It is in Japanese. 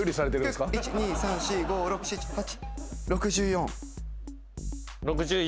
１２３４５６７８。